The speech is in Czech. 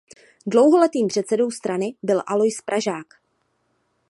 Dlouholetým předsedou strany byl Alois Pražák.